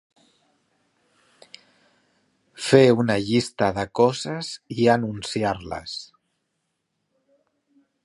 Fer una llista de coses i anunciar-les.